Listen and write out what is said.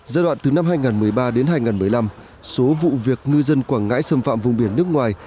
giai đoạn từ năm hai nghìn một mươi ba đến hai nghìn một mươi năm số vụ việc ngư dân quảng ngãi xâm phạm vùng biển nước ngoài